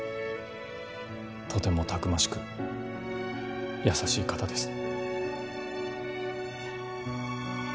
とてもたくましく優しい方です